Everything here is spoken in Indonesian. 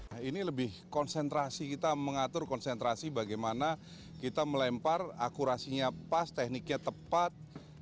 nah ini lebih konsentrasi kita mengatur konsentrasi bagaimana kita melempar akurasinya pas tekniknya tepat